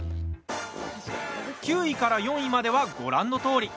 ９位から４位まではご覧のとおり。